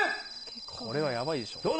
これはやばいでしょう。